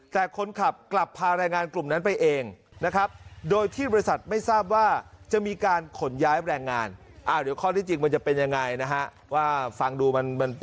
แต่คนขับกลับพาแรงงานกลุ่มนั้นไปเองนะครับ